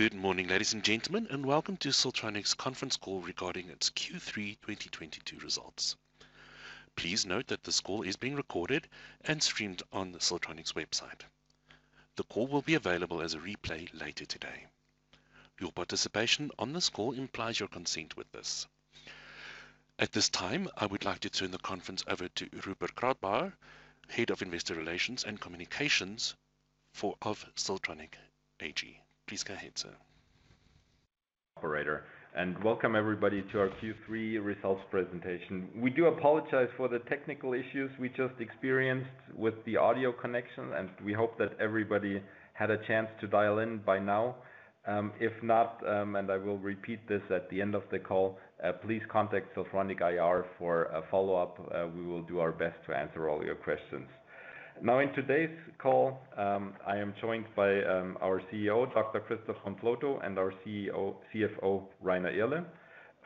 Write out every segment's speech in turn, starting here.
Good morning, ladies and gentlemen, and welcome to Siltronic's conference call regarding its Q3 2022 results. Please note that this call is being recorded and streamed on the Siltronic's website. The call will be available as a replay later today. Your participation on this call implies your consent with this. At this time, I would like to turn the conference over to Rupert Krautbauer, Head of Investor Relations and Communications of Siltronic AG. Please go ahead, sir. Operator, welcome everybody to our Q3 results presentation. We do apologize for the technical issues we just experienced with the audio connection, and we hope that everybody had a chance to dial in by now. If not, I will repeat this at the end of the call. Please contact Siltronic IR for a follow-up. We will do our best to answer all your questions. Now, in today's call, I am joined by our CEO, Dr. Christoph von Plotho, and our CFO, Rainer Irle.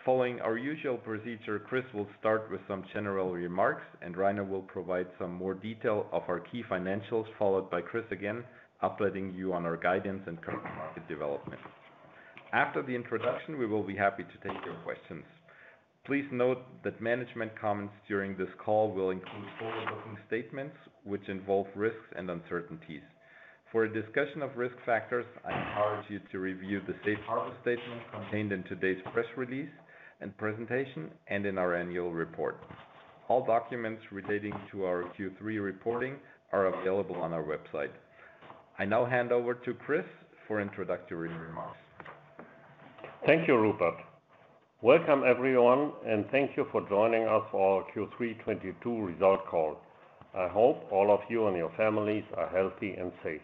Following our usual procedure, Chris will start with some general remarks and Rainer will provide some more detail of our key financials, followed by Chris again, updating you on our guidance and current market development. After the introduction, we will be happy to take your questions. Please note that management comments during this call will include forward-looking statements which involve risks and uncertainties. For a discussion of risk factors, I encourage you to review the safe harbor statement contained in today's press release and presentation, and in our annual report. All documents relating to our Q3 reporting are available on our website. I now hand over to Chris for introductory remarks. Thank you, Rupert. Welcome everyone and thank you for joining us for our Q3 2022 results call. I hope all of you and your families are healthy and safe.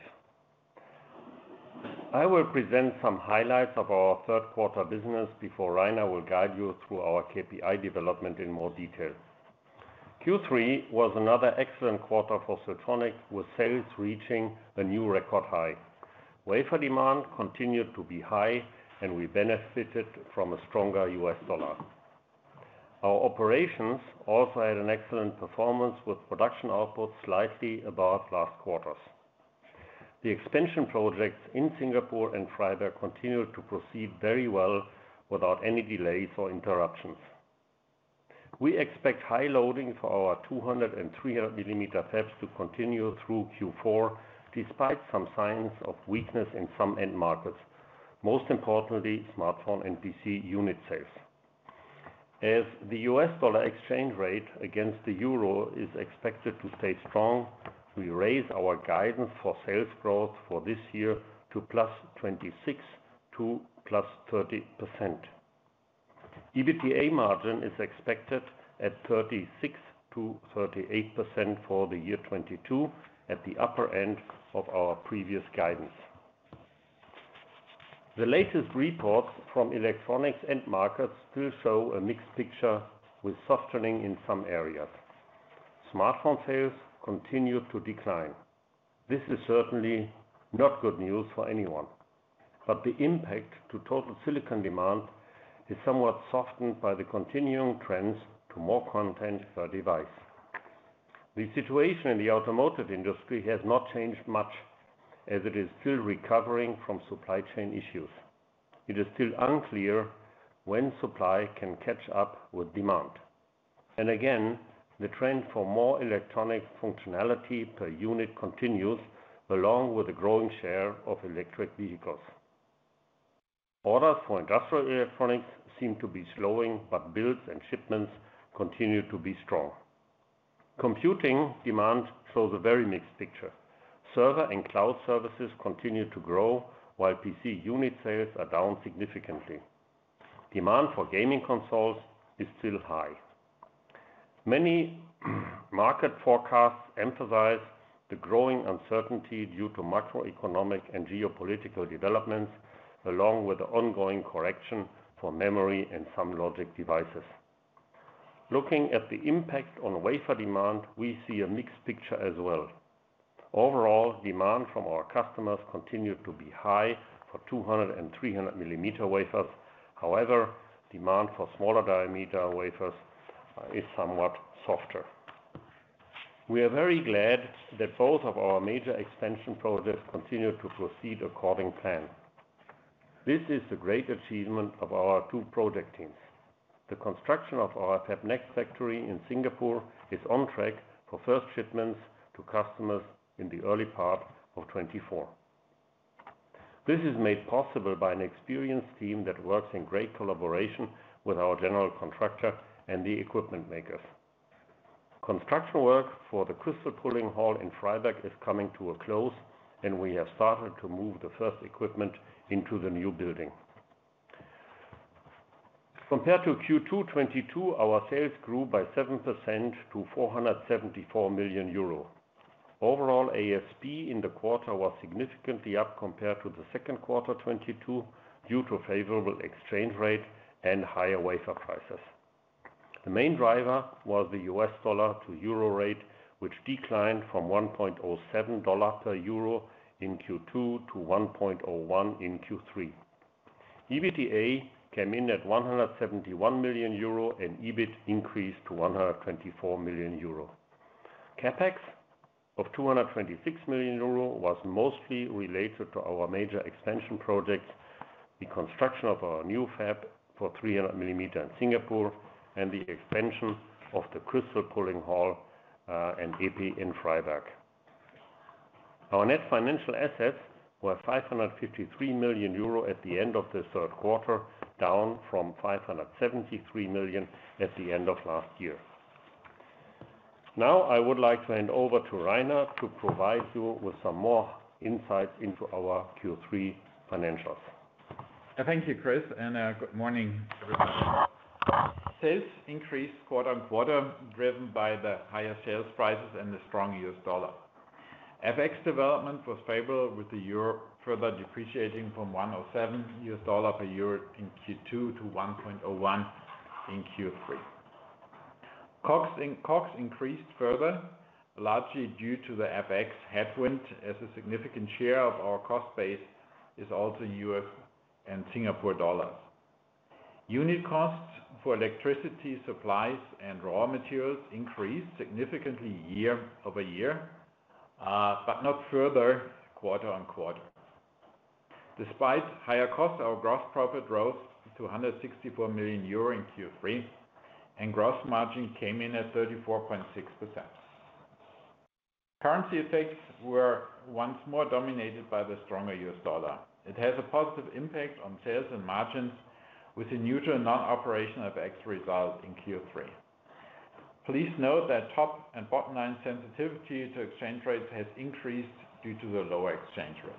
I will present some highlights of our Q3 business before Rainer will guide you through our KPI development in more detail. Q3 was another excellent quarter for Siltronic, with sales reaching a new record high. Wafer demand continued to be high and we benefited from a stronger U.S. dollar. Our operations also had an excellent performance with production output slightly above last quarter's. The expansion projects in Singapore and Freiberg continue to proceed very well without any delays or interruptions. We expect high loading for our 200- and 300-mm fabs to continue through Q4, despite some signs of weakness in some end markets, most importantly smartphone and PC unit sales. As the US dollar exchange rate against the euro is expected to stay strong, we raise our guidance for sales growth for this year to +26% to +30%. EBITDA margin is expected at 36%-38% for the year 2022, at the upper end of our previous guidance. The latest reports from electronics end markets still show a mixed picture with softening in some areas. Smartphone sales continue to decline. This is certainly not good news for anyone, but the impact to total silicon demand is somewhat softened by the continuing trends to more content per device. The situation in the automotive industry has not changed much as it is still recovering from supply chain issues. It is still unclear when supply can catch up with demand. Again, the trend for more electronic functionality per unit continues, along with the growing share of electric vehicles. Orders for industrial electronics seem to be slowing, but builds and shipments continue to be strong. Computing demand shows a very mixed picture. Server and cloud services continue to grow while PC unit sales are down significantly. Demand for gaming consoles is still high. Many market forecasts emphasize the growing uncertainty due to macroeconomic and geopolitical developments, along with the ongoing correction for memory and some logic devices. Looking at the impact on wafer demand, we see a mixed picture as well. Overall, demand from our customers continued to be high for 200 and 300 mm wafers. However, demand for smaller diameter wafers is somewhat softer. We are very glad that both of our major expansion projects continue to proceed according to plan. This is a great achievement of our two project teams. The construction of our FabNext factory in Singapore is on track for first shipments to customers in the early part of 2024. This is made possible by an experienced team that works in great collaboration with our general contractor and the equipment makers. Construction work for the crystal pulling hall in Freiberg is coming to a close, and we have started to move the first equipment into the new building. Compared to Q2 2022, our sales grew by 7% to 474 million euro. Overall ASP in the quarter was significantly up compared to the Q2 2022 due to favorable exchange rate and higher wafer prices. The main driver was the U.S. dollar to euro rate, which declined from 1.07 dollar per euro in Q2 to 1.01 in Q3. EBITDA came in at 171 million euro and EBIT increased to 124 million euro. CapEx of 226 million euro was mostly related to our major expansion projects, the construction of our new 300 mm fab in Singapore, and the expansion of the crystal pulling hall and EPI in Freiberg. Our net financial assets were 553 million euro at the end of the Q3, down from 573 million at the end of last year. Now I would like to hand over to Rainer to provide you with some more insights into our Q3 financials. Thank you, Chris, and good morning, everybody. Sales increased quarter-over-quarter, driven by the higher sales prices and the strong US dollar. FX development was favorable with the euro further depreciating from 1.07 US dollar per euro in Q2 to 1.01 in Q3. COGS increased further, largely due to the FX headwind, as a significant share of our cost base is also US and Singapore dollars. Unit costs for electricity, supplies, and raw materials increased significantly year-over-year, but not further quarter-over-quarter. Despite higher costs, our gross profit rose to 164 million euro in Q3 and gross margin came in at 34.6%. Currency effects were once more dominated by the stronger US dollar. It has a positive impact on sales and margins with a neutral non-operational FX result in Q3. Please note that top and bottom line sensitivity to exchange rates has increased due to the lower exchange rate.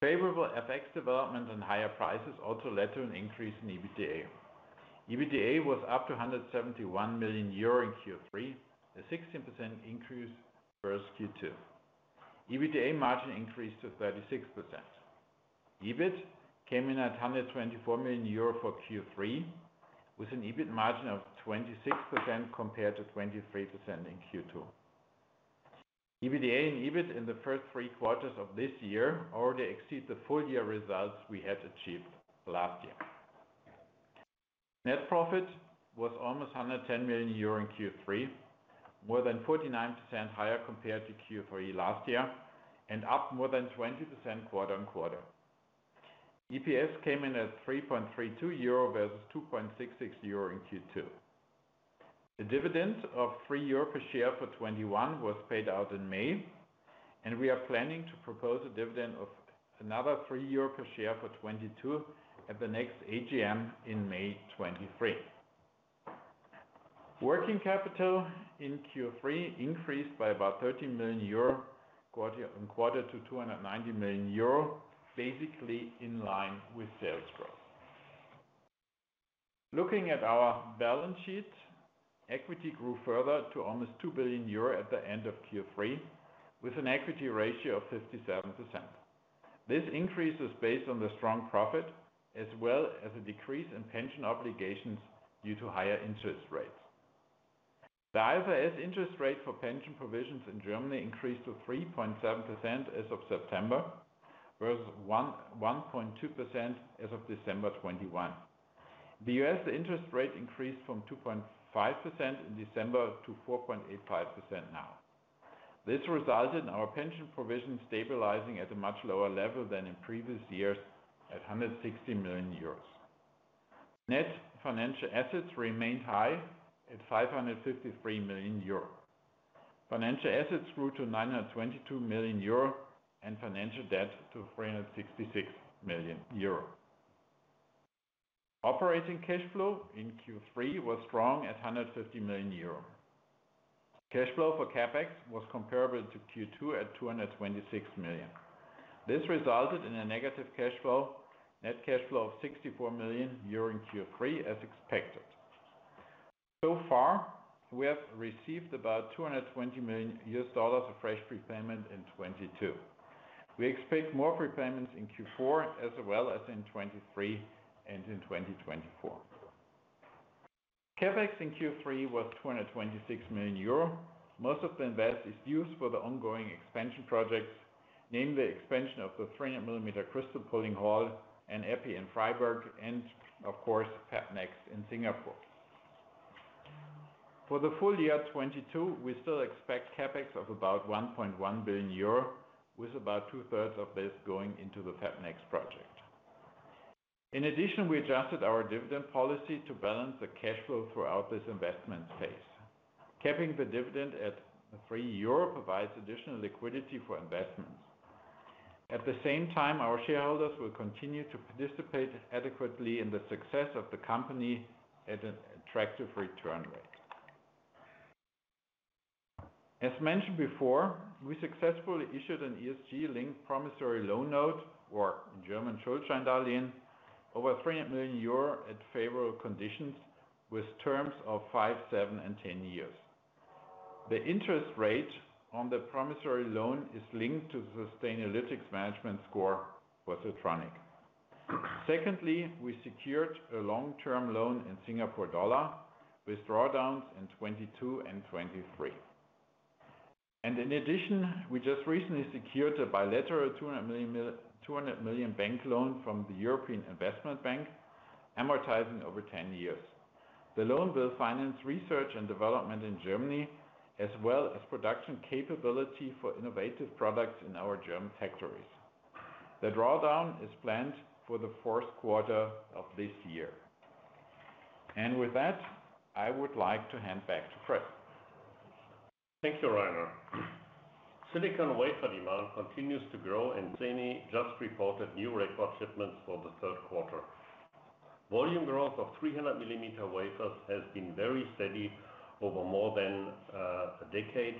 Favorable FX development and higher prices also led to an increase in EBITDA. EBITDA was up to 171 million euro in Q3, a 16% increase versus Q2. EBITDA margin increased to 36%. EBIT came in at 124 million euro for Q3, with an EBIT margin of 26% compared to 23% in Q2. EBITDA and EBIT in the first three quarters of this year already exceed the full year results we had achieved last year. Net profit was almost 110 million euro in Q3, more than 49% higher compared to Q3 last year and up more than 20% quarter on quarter. EPS came in at 3.32 euro versus 2.66 euro in Q2. The dividend of 3 euro per share for 2021 was paid out in May, and we are planning to propose a dividend of another 3 euro per share for 2022 at the next AGM in May 2023. Working capital in Q3 increased by about 30 million euro quarter-over-quarter to 290 million euro, basically in line with sales growth. Looking at our balance sheet, equity grew further to almost 2 billion euro at the end of Q3, with an equity ratio of 57%. This increase is based on the strong profit as well as a decrease in pension obligations due to higher interest rates. The HGB interest rate for pension provisions in Germany increased to 3.7% as of September, versus 1.1 to 1.2% as of December 2021. The US interest rate increased from 2.5% in December to 4.85% now. This resulted in our pension provision stabilizing at a much lower level than in previous years at 160 million euros. Net financial assets remained high at 553 million euros. Financial assets grew to 922 million euros and financial debt to 366 million euros. Operating cash flow in Q3 was strong at 150 million euros. Cash flow for CapEx was comparable to Q2 at 226 million. This resulted in a negative cash flow, net cash flow of 64 million in Q3 as expected. So far, we have received about $220 million of fresh prepayment in 2022. We expect more prepayments in Q4 as well as in 2023 and in 2024. CapEx in Q3 was EUR 226 million. Most of the invest is used for the ongoing expansion projects, namely expansion of the 300 mm crystal pulling hall and Epi in Freiberg and of course FabNext in Singapore. For the full year 2022, we still expect CapEx of about 1.1 billion euro, with about two-thirds of this going into the FabNext project. In addition, we adjusted our dividend policy to balance the cash flow throughout this investment phase. Capping the dividend at 3 euro provides additional liquidity for investments. At the same time, our shareholders will continue to participate adequately in the success of the company at an attractive return rate. As mentioned before, we successfully issued an ESG-linked promissory loan note or in German, Schuldscheindarlehen, over 300 million euro at favorable conditions with terms of five, seven and 10 years. The interest rate on the promissory loan is linked to the Sustainalytics management score for Siltronic. Secondly, we secured a long-term loan in Singapore dollar with drawdowns in 2022 and 2023. In addition, we just recently secured a bilateral 200 million bank loan from the European Investment Bank, amortizing over 10 years. The loan will finance research and development in Germany, as well as production capability for innovative products in our German factories. The drawdown is planned for the Q4 of this year. With that, I would like to hand back to Chris. Thank you, Rainer. Silicon wafer demand continues to grow, and SEMI just reported new record shipments for the Q3. Volume growth of 300 mm wafers has been very steady over more than a decade,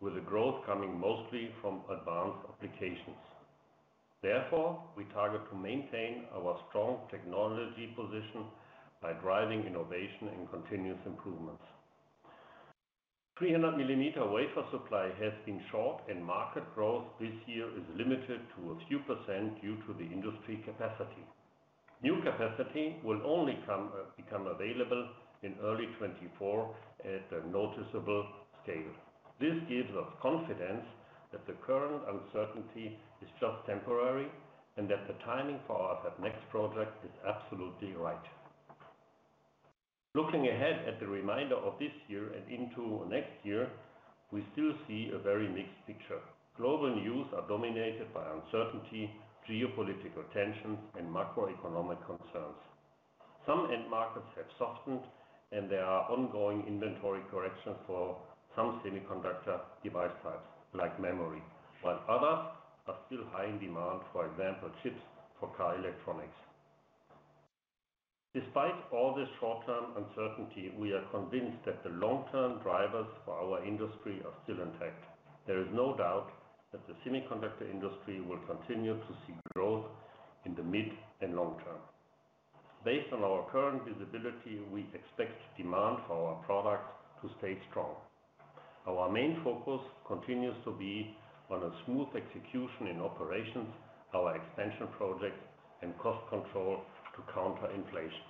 with the growth coming mostly from advanced applications. Therefore, we target to maintain our strong technology position by driving innovation and continuous improvements. 300 mm wafer supply has been short, and market growth this year is limited to a few% due to the industry capacity. New capacity will only become available in early 2024 at a noticeable scale. This gives us confidence that the current uncertainty is just temporary and that the timing for our next project is absolutely right. Looking ahead at the remainder of this year and into next year, we still see a very mixed picture. Global news are dominated by uncertainty, geopolitical tensions, and macroeconomic concerns. Some end markets have softened and there are ongoing inventory corrections for some semiconductor device types like memory, while others are still high in demand, for example, chips for car electronics. Despite all this short-term uncertainty, we are convinced that the long-term drivers for our industry are still intact. There is no doubt that the semiconductor industry will continue to see growth in the mid and long term. Based on our current visibility, we expect demand for our products to stay strong. Our main focus continues to be on a smooth execution in operations, our expansion projects and cost control to counter inflation.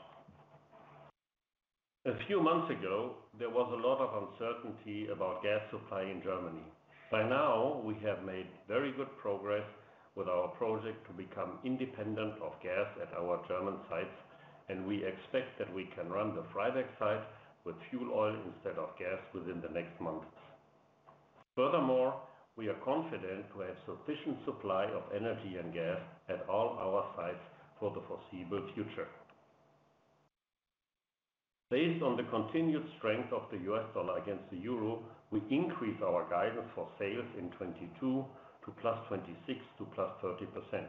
A few months ago, there was a lot of uncertainty about gas supply in Germany. By now, we have made very good progress with our project to become independent of gas at our German sites, and we expect that we can run the Freiberg site with fuel oil instead of gas within the next months. Furthermore, we are confident to have sufficient supply of energy and gas at all our sites for the foreseeable future. Based on the continued strength of the U.S. dollar against the euro, we increase our guidance for sales in 2022 to +26% to +30%.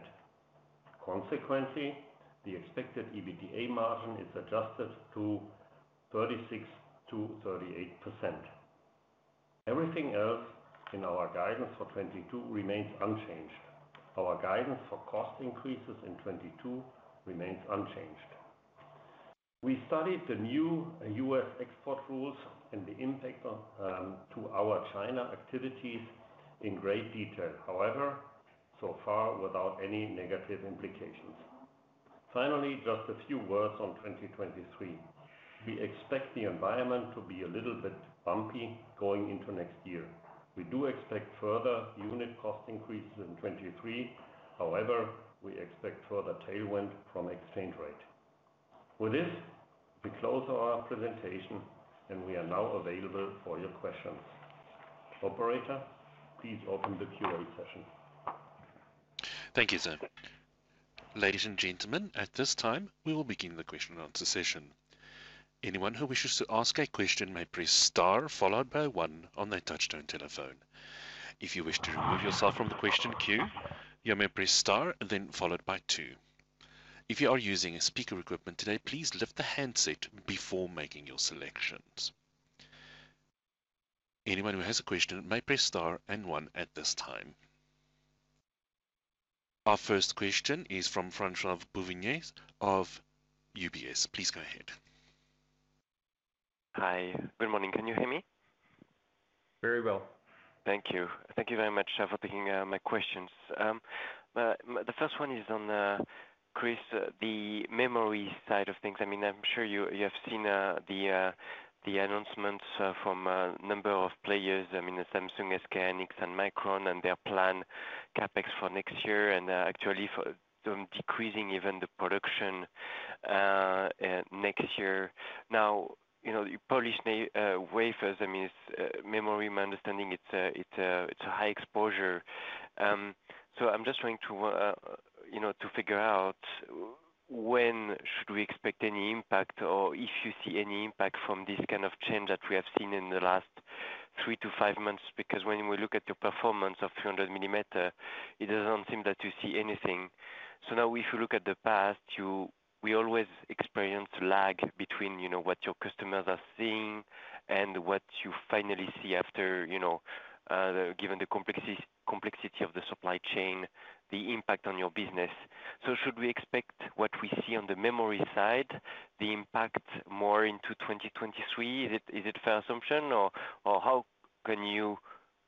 Consequently, the expected EBITDA margin is adjusted to 36%-38%. Everything else in our guidance for 2022 remains unchanged. Our guidance for cost increases in 2022 remains unchanged. We studied the new U.S. export rules and the impact on to our China activities in great detail. However, so far, without any negative implications. Finally, just a few words on 2023. We expect the environment to be a little bit bumpy going into next year. We do expect further unit cost increases in 2023. However, we expect further tailwind from exchange rate. With this, we close our presentation and we are now available for your questions. Operator, please open the Q&A session. Thank you, sir. Ladies and gentlemen, at this time, we will begin the question and answer session. Anyone who wishes to ask a question may press star followed by one on their touchtone telephone. If you wish to remove yourself from the question queue, you may press star then followed by two. If you are using speaker equipment today, please lift the handset before making your selections. Anyone who has a question may press star and one at this time. Our first question is from Francois-Xavier Bouvignies of UBS. Please go ahead. Hi. Good morning. Can you hear me? Very well. Thank you. Thank you very much for taking my questions. The first one is on Chris, the memory side of things. I mean, I'm sure you have seen the announcements from a number of players. I mean, the Samsung, SK hynix and Micron and their planned CapEx for next year and actually for some decreasing even the production next year. Now, you know, you polish the wafers. I mean, memory, my understanding it's a high exposure. I'm just trying to, you know, figure out when should we expect any impact or if you see any impact from this kind of change that we have seen in the last 3-5 months? Because when we look at the performance of 300 mm, it doesn't seem that you see anything. Now if you look at the past, we always experience lag between, you know, what your customers are seeing and what you finally see after, you know, given the complexity of the supply chain, the impact on your business. Should we expect what we see on the memory side, the impact more into 2023? Is it fair assumption or how can you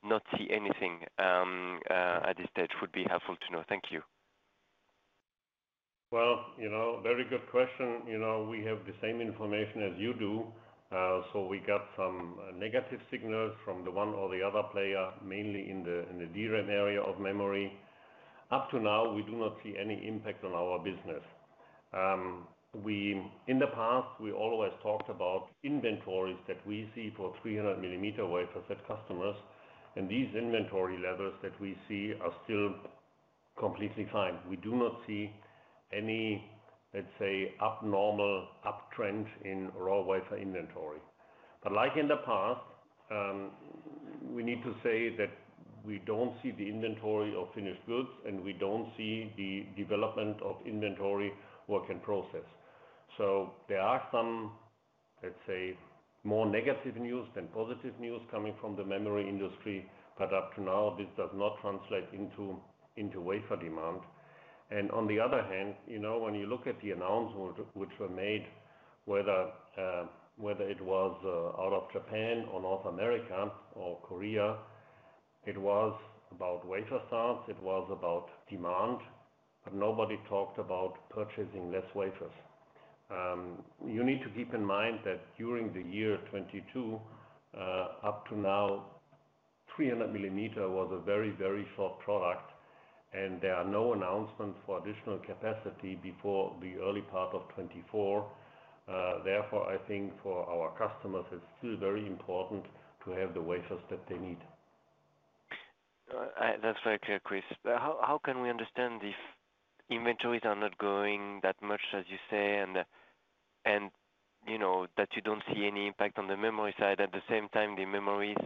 not see anything at this stage would be helpful to know. Thank you. Well, you know, very good question. You know, we have the same information as you do. We got some negative signals from the one or the other player, mainly in the DRAM area of memory. Up to now, we do not see any impact on our business. In the past, we always talked about inventories that we see for 300 mm wafer set customers, and these inventory levels that we see are still completely fine. We do not see any, let's say, abnormal uptrend in raw wafer inventory. Like in the past, we need to say that we don't see the inventory of finished goods, and we don't see the development of work-in-process inventory. There are some, let's say, more negative news than positive news coming from the memory industry, but up to now, this does not translate into wafer demand. On the other hand, you know, when you look at the announcements which were made, whether it was out of Japan or North America or Korea, it was about wafer starts, it was about demand, but nobody talked about purchasing less wafers. You need to keep in mind that during the year 2022, up to now, 300 mm was a very, very short product, and there are no announcements for additional capacity before the early part of 2024. Therefore, I think for our customers, it's still very important to have the wafers that they need. That's very clear, Chris. How can we understand if inventories are not growing that much, as you say, and you know, that you don't see any impact on the memory side. At the same time, the memories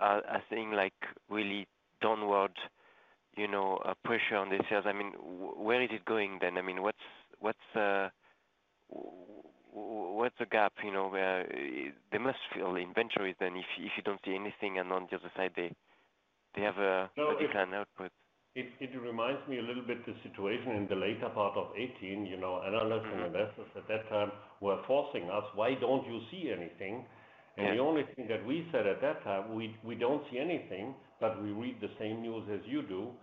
are seeing, like, really downward pressure on the sales. I mean, where is it going then? I mean, what's the gap, you know, where there must be all the inventories then if you don't see anything and on the other side, they have a planned output. It reminds me a little bit the situation in the later part of 2018, you know. Analysts and investors at that time were forcing us, "Why don't you see anything? The only thing that we said at that time, "We don't see anything, but we read the same news as you do,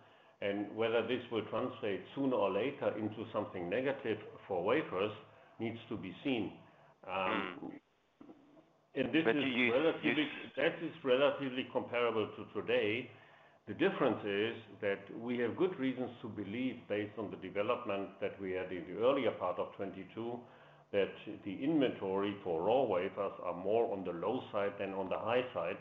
and whether this will translate sooner or later into something negative for wafers needs to be seen." This is relatively. That is relatively comparable to today. The difference is that we have good reasons to believe, based on the development that we had in the earlier part of 2022, that the inventory for raw wafers are more on the low side than on the high side.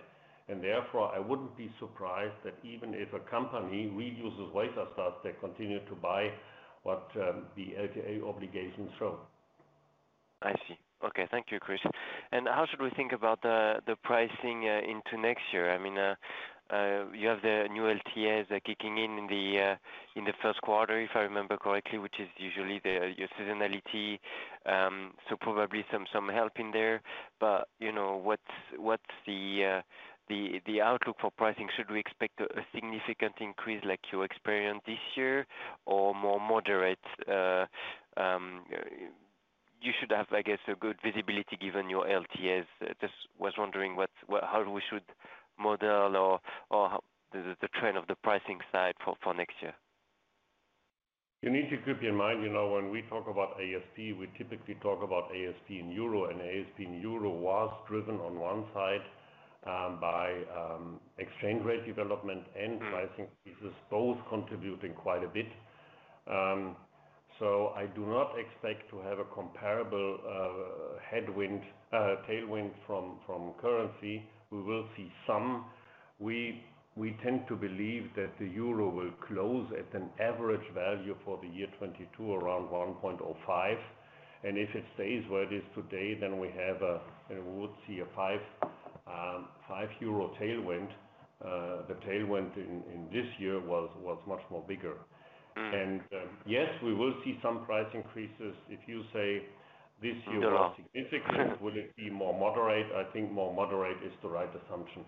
Therefore, I wouldn't be surprised that even if a company reuses wafer starts, they continue to buy what, the LTA obligations show. I see. Okay. Thank you, Chris. How should we think about the pricing into next year? I mean, you have the new LTAs kicking in in the Q1, if I remember correctly, which is usually your seasonality. So probably some help in there. You know, what's the outlook for pricing? Should we expect a significant increase like you experienced this year or more moderate? You should have, I guess, a good visibility given your LTAs. Just was wondering how we should model or the trend of the pricing side for next year. You need to keep in mind, you know, when we talk about ASP, we typically talk about ASP in euro, and ASP in euro was driven on one side by exchange rate development and pricing. This is both contributing quite a bit. I do not expect to have a comparable tailwind from currency. We will see some. We tend to believe that the euro will close at an average value for the year 2022, around 1.05. If it stays where it is today, then we would see a 5 euro tailwind. The tailwind in this year was much more bigger. Mm. Yes, we will see some price increases. If you say this year was significant, will it be more moderate? I think more moderate is the right assumption.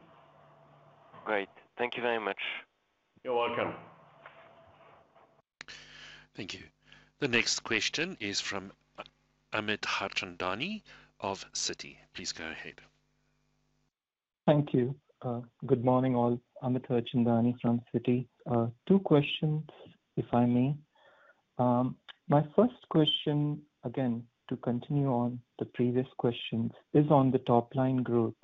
Great. Thank you very much. You're welcome. Thank you. The next question is from Amit Harchandani of Citi. Please go ahead. Thank you. Good morning, all. Amit Harchandani from Citi. Two questions, if I may. My first question, again, to continue on the previous questions, is on the top-line growth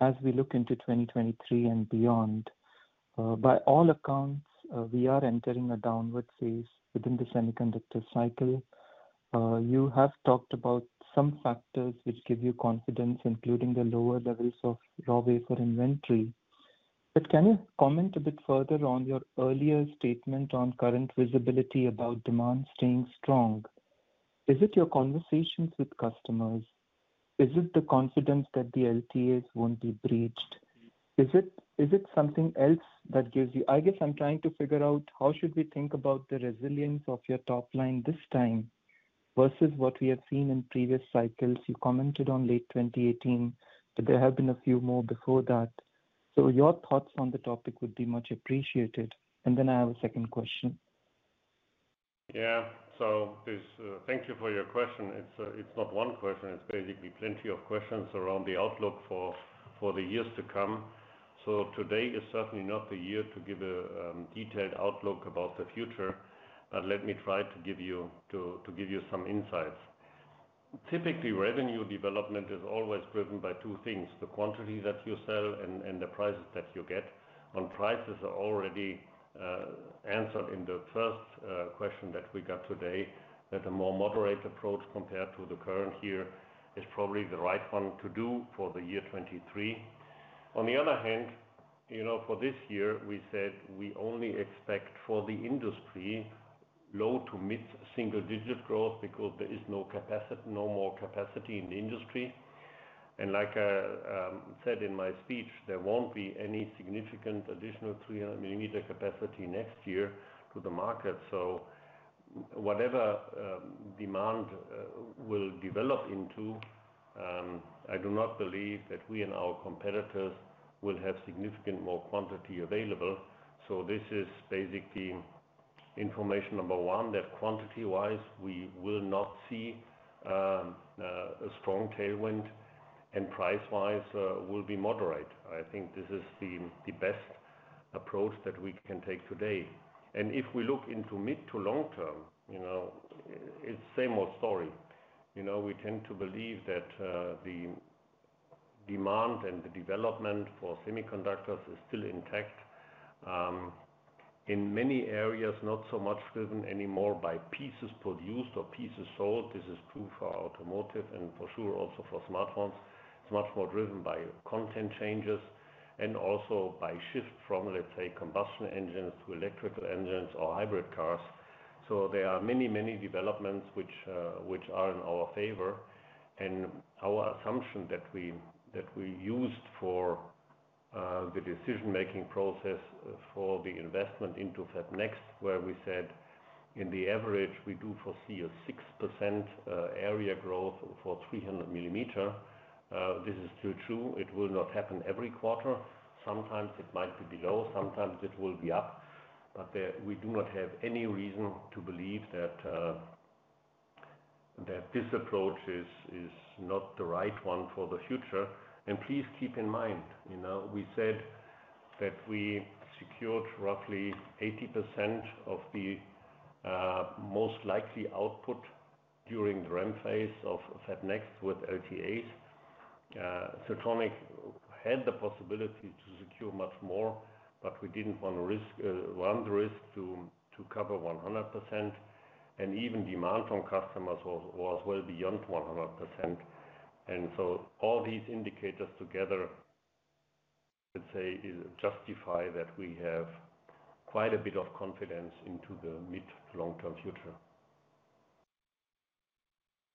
as we look into 2023 and beyond. By all accounts, we are entering a downward phase within the semiconductor cycle. You have talked about some factors which give you confidence, including the lower levels of raw wafer inventory. But can you comment a bit further on your earlier statement on current visibility about demand staying strong? Is it your conversations with customers? Is it the confidence that the LTAs won't be breached? Is it something else that gives you... I guess I'm trying to figure out how should we think about the resilience of your top line this time versus what we have seen in previous cycles. You commented on late 2018, but there have been a few more before that. Your thoughts on the topic would be much appreciated. I have a second question. Thank you for your question. It's not one question. It's basically plenty of questions around the outlook for the years to come. Today is certainly not the year to give a detailed outlook about the future. Let me try to give you some insights. Typically, revenue development is always driven by two things, the quantity that you sell and the prices that you get. On prices are already answered in the first question that we got today, that a more moderate approach compared to the current year is probably the right one to do for the year 2023. On the other hand, for this year, we said we only expect for the industry low- to mid-single-digit growth because there is no more capacity in the industry. Like I said in my speech, there won't be any significant additional 300 mm capacity next year to the market. Whatever demand will develop into, I do not believe that we and our competitors will have significant more quantity available. This is basically information number one, that quantity wise, we will not see a strong tailwind, and price-wise will be moderate. I think this is the best approach that we can take today. If we look into mid to long term, you know, it's same old story. You know, we tend to believe that the demand and the development for semiconductors is still intact. In many areas, not so much driven anymore by pieces produced or pieces sold. This is true for automotive and for sure also for smartphones. It's much more driven by content changes and also by shift from, let's say, combustion engines to electrical engines or hybrid cars. There are many, many developments which are in our favor. Our assumption that we used for the decision-making process for the investment into FabNext, where we said in the average we do foresee a 6% area growth for 300mm, this is still true. It will not happen every quarter. Sometimes it might be below, sometimes it will be up. We do not have any reason to believe that this approach is not the right one for the future. Please keep in mind, you know, we said that we secured roughly 80% of the most likely output during the ramp phase of FabNext with LTAs. Siltronic had the possibility to secure much more, but we didn't want to run the risk to cover 100%. Even demand from customers was well beyond 100%. All these indicators together, I'd say, is justify that we have quite a bit of confidence into the mid to long term future.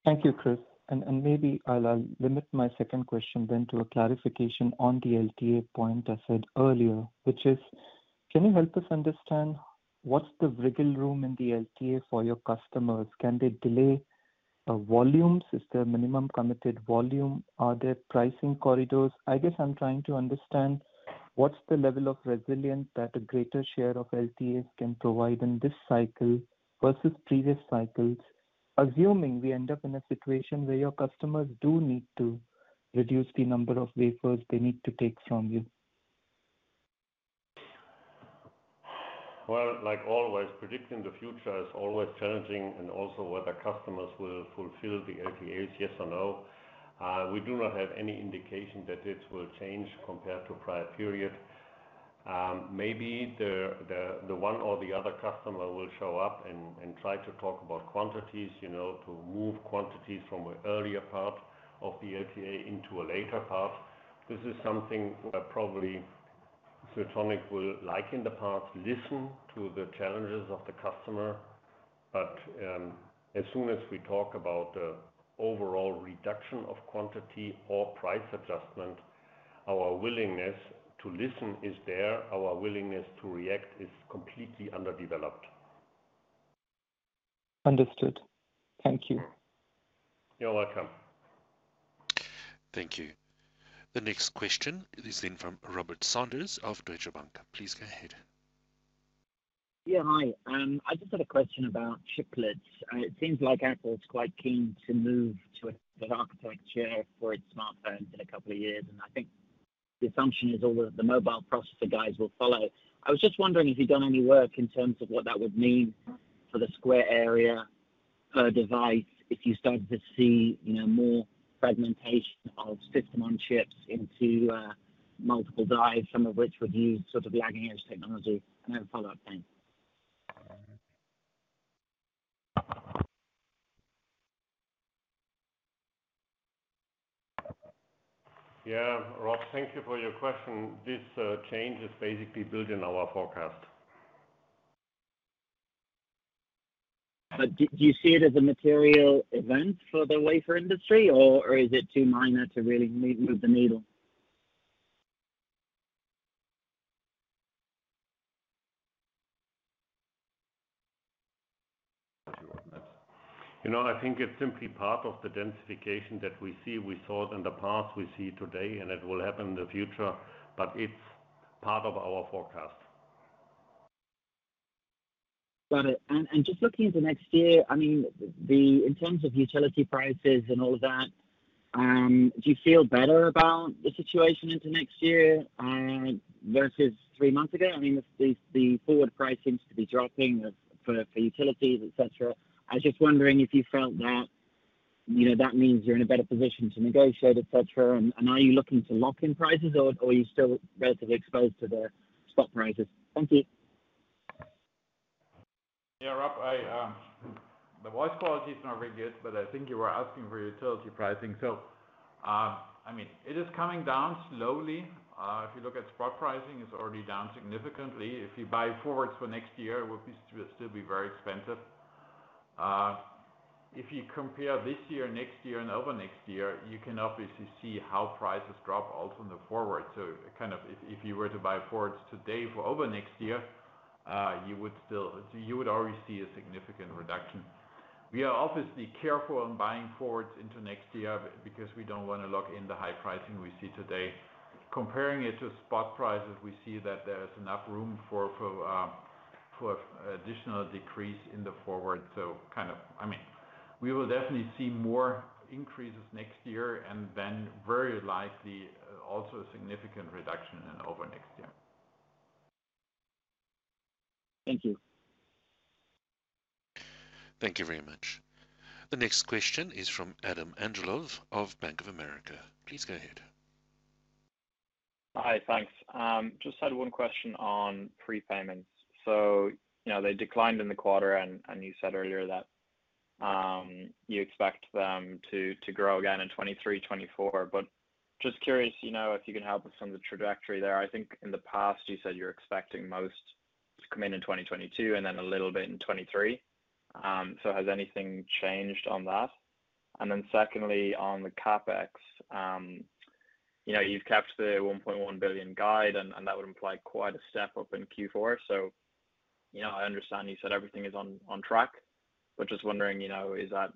Thank you, Chris. Maybe I'll limit my second question to a clarification on the LTA point I said earlier, which is, can you help us understand what's the wiggle room in the LTA for your customers? Can they delay volumes? Is there a minimum committed volume? Are there pricing corridors? I guess I'm trying to understand what's the level of resilience that a greater share of LTAs can provide in this cycle versus previous cycles, assuming we end up in a situation where your customers do need to reduce the number of wafers they need to take from you. Well, like always, predicting the future is always challenging and also whether customers will fulfill the LTAs, yes or no. We do not have any indication that this will change compared to prior period. Maybe the one or the other customer will show up and try to talk about quantities, you know, to move quantities from an earlier part of the LTA into a later part. This is something where probably Siltronic will liken the parts, listen to the challenges of the customer. As soon as we talk about overall reduction of quantity or price adjustment, our willingness to listen is there. Our willingness to react is completely underdeveloped. Understood. Thank you. You're welcome. Thank you. The next question is in from Robert Sanders of Deutsche Bank. Please go ahead. Hi, I just had a question about chiplets. It seems like Apple's quite keen to move to that architecture for its smartphones in a couple of years, and I think the assumption is all the mobile processor guys will follow. I was just wondering if you've done any work in terms of what that would mean for the square area per device if you started to see, you know, more fragmentation of system on chips into multiple dies, some of which would use sort of lagging edge technology. I have a follow-up. Thanks. Yeah. Rob, thank you for your question. This change is basically built in our forecast. Do you see it as a material event for the wafer industry or is it too minor to really move the needle? Thank you, Robert. You know, I think it's simply part of the densification that we see. We saw it in the past, we see it today, and it will happen in the future, but it's part of our forecast. Got it. Just looking into next year, I mean, in terms of utility prices and all of that Do you feel better about the situation into next year versus three months ago? I mean, the forward price seems to be dropping for utilities, et cetera. I was just wondering if you felt that, you know, that means you're in a better position to negotiate, et cetera. Are you looking to lock in prices or are you still relatively exposed to the spot prices? Thank you. Yeah, Rob, the voice quality is not very good, but I think you were asking for utility pricing. I mean, it is coming down slowly. If you look at spot pricing, it's already down significantly. If you buy forwards for next year, it would still be very expensive. If you compare this year, next year, and over next year, you can obviously see how prices drop also in the forward. Kind of if you were to buy forwards today for over next year, you would already see a significant reduction. We are obviously careful on buying forwards into next year because we don't wanna lock in the high pricing we see today. Comparing it to spot prices, we see that there is enough room for additional decrease in the forward. I mean, we will definitely see more increases next year and then very likely also a significant reduction in over next year. Thank you. Thank you very much. The next question is from Adam Andrejew of Bank of America. Please go ahead. Hi. Thanks. Just had one question on prepayments. You know, they declined in the quarter and you said earlier that you expect them to grow again in 2023, 2024. Just curious, you know, if you can help us on the trajectory there. I think in the past you said you're expecting most to come in in 2022 and then a little bit in 2023. Has anything changed on that? Secondly, on the CapEx, you know, you've capped the 1.1 billion guide and that would imply quite a step up in Q4. You know, I understand you said everything is on track, but just wondering, you know, is that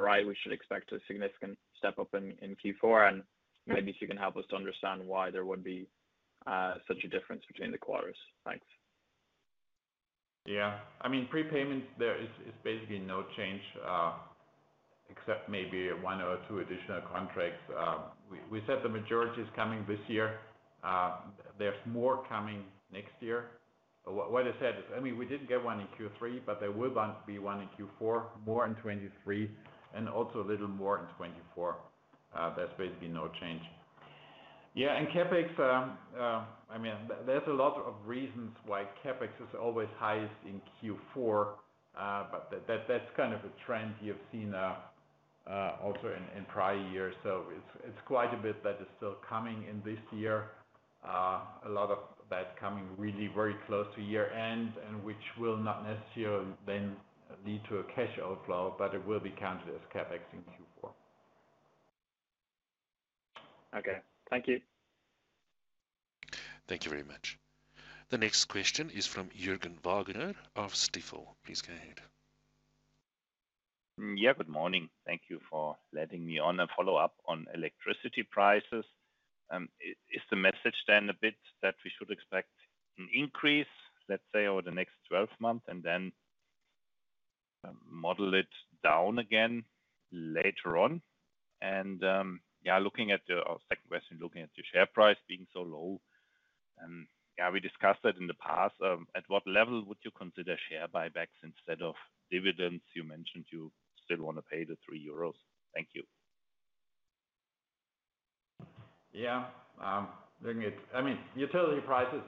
right? We should expect a significant step up in Q4, and maybe if you can help us to understand why there would be such a difference between the quarters? Thanks. Yeah. I mean, prepayments there is basically no change, except maybe one or two additional contracts. We said the majority is coming this year. There's more coming next year. What I said is, I mean, we didn't get one in Q3, but there will be one in Q4, more in 2023, and also a little more in 2024. That's basically no change. Yeah, CapEx, I mean, there's a lot of reasons why CapEx is always highest in Q4. That's kind of a trend you've seen also in prior years. It's quite a bit that is still coming in this year. A lot of that coming really very close to year-end and which will not necessarily then lead to a cash outflow, but it will be counted as CapEx in Q4. Okay. Thank you. Thank you very much. The next question is from Juergen Wagner of Stifel. Please go ahead. Yeah, good morning. Thank you for letting me on. A follow-up on electricity prices. Is the message then a bit that we should expect an increase, let's say, over the next 12 months and then model it down again later on? Second question, looking at the share price being so low, we discussed that in the past. At what level would you consider share buybacks instead of dividends? You mentioned you still wanna pay the 3 euros. Thank you. Yeah. Looking at utility prices,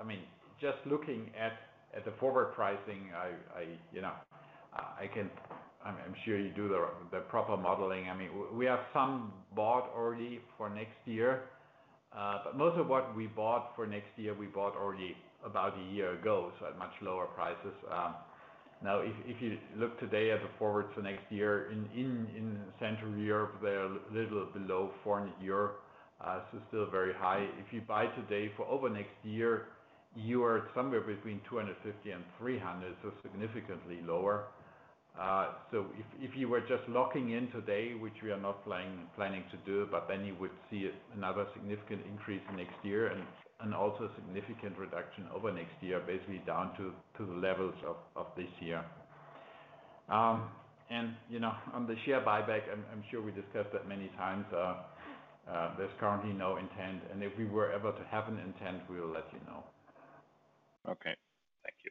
I mean, just looking at the forward pricing, you know, I'm sure you do the proper modeling. I mean, we have some bought already for next year. But most of what we bought for next year, we bought already about a year ago, so at much lower prices. Now if you look today at the forward to next year in Central Europe, they're a little below 400 euro, so still very high. If you buy today for over next year, you are somewhere between 250 and 300, so significantly lower. If you were just locking in today, which we are not planning to do, but then you would see another significant increase next year and also a significant reduction over next year, basically down to the levels of this year. You know, on the share buyback, I'm sure we discussed that many times. There's currently no intent, and if we were ever to have an intent, we will let you know. Okay. Thank you.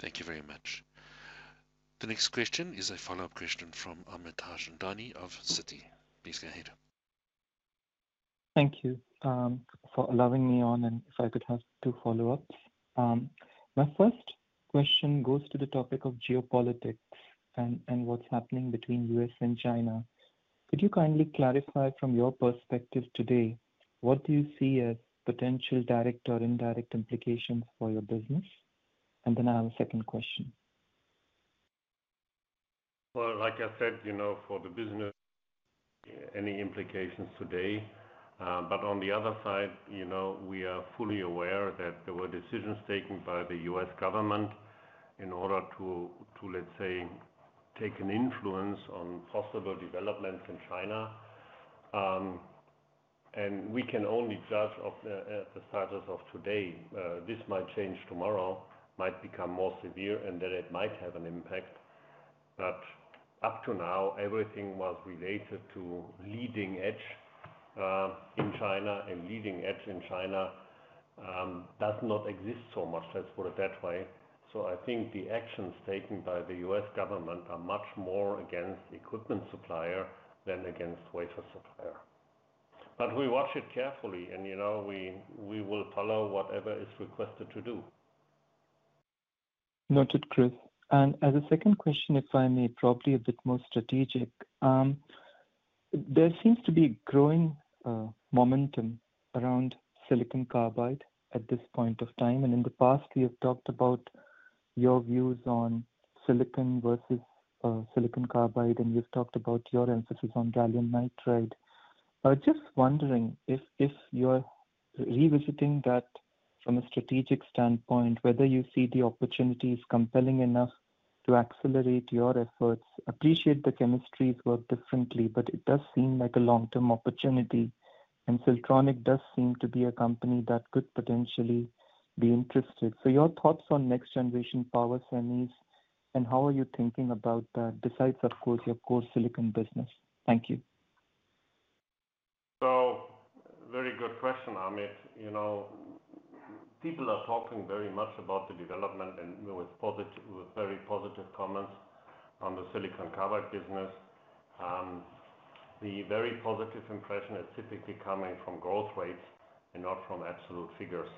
Thank you very much. The next question is a follow-up question from Amit Harchandani of Citi. Please go ahead. Thank you for allowing me on, and if I could have two follow-ups. My first question goes to the topic of geopolitics and what's happening between U.S. and China. Could you kindly clarify from your perspective today, what do you see as potential direct or indirect implications for your business? Then I have a second question. Well, like I said, you know, for the business, any implications today. On the other side, you know, we are fully aware that there were decisions taken by the U.S. government in order to, let's say, take an influence on possible developments in China. We can only judge of the status of today. This might change tomorrow, might become more severe, and then it might have an impact. Up to now, everything was related to leading edge in China. Leading edge in China does not exist so much. Let's put it that way. I think the actions taken by the U.S. government are much more against equipment supplier than against wafer supplier. We watch it carefully and, you know, we will follow whatever is requested to do. Noted, Chris. As a second question, if I may, probably a bit more strategic. There seems to be growing momentum around silicon carbide at this point of time. In the past, we have talked about your views on silicon versus silicon carbide, and you've talked about your emphasis on gallium nitride. I was just wondering if you're revisiting that from a strategic standpoint. Whether you see the opportunities compelling enough to accelerate your efforts. Appreciate the chemistries work differently, but it does seem like a long-term opportunity, and Siltronic does seem to be a company that could potentially be interested. Your thoughts on next generation power semis, and how are you thinking about that besides, of course, your core silicon business. Thank you. Very good question, Amit. You know, people are talking very much about the development and with very positive comments on the silicon carbide business. The very positive impression is typically coming from growth rates and not from absolute figures.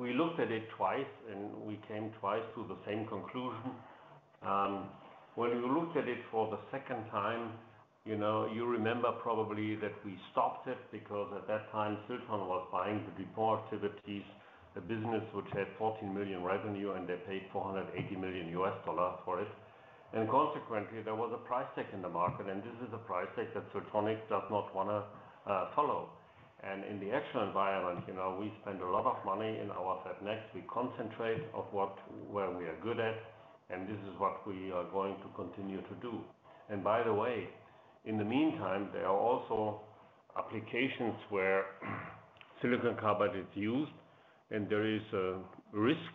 We looked at it twice, and we came twice to the same conclusion. When we looked at it for the second time, you know, you remember probably that we stopped it because at that time, Siltronic was buying the [default activities], a business which had $14 million revenue, and they paid $480 million for it. Consequently, there was a price tag in the market, and this is a price tag that Siltronic does not wanna follow. In the actual environment, you know, we spend a lot of money in our FabNext. We concentrate on what we are good at, and this is what we are going to continue to do. By the way, in the meantime, there are also applications where silicon carbide is used, and there is a risk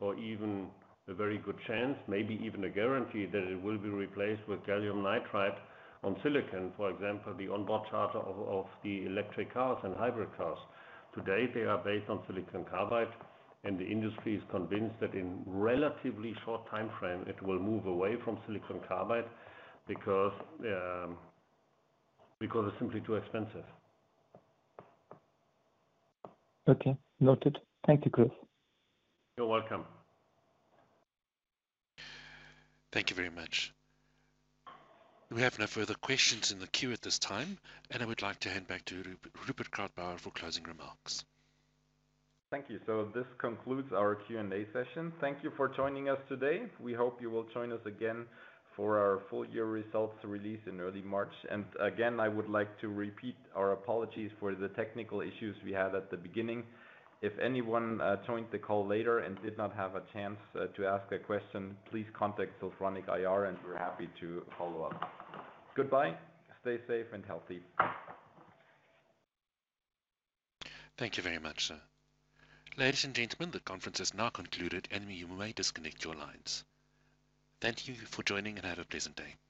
or even a very good chance, maybe even a guarantee that it will be replaced with gallium nitride on silicon. For example, the onboard charger of the electric cars and hybrid cars. Today, they are based on silicon carbide, and the industry is convinced that in relatively short timeframe it will move away from silicon carbide because it's simply too expensive. Okay. Noted. Thank you, Chris. You're welcome. Thank you very much. We have no further questions in the queue at this time, and I would like to hand back to Rupert Krautbauer for closing remarks. Thank you. This concludes our Q&A session. Thank you for joining us today. We hope you will join us again for our full year results release in early March. Again, I would like to repeat our apologies for the technical issues we had at the beginning. If anyone joined the call later and did not have a chance to ask a question, please contact Siltronic IR, and we're happy to follow up. Goodbye. Stay safe and healthy. Thank you very much, sir. Ladies and gentlemen, the conference is now concluded, and you may disconnect your lines. Thank you for joining and have a pleasant day. Goodbye.